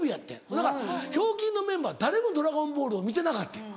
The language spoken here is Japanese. だから『ひょうきん』のメンバー誰も『ドラゴンボール』を見てなかってん。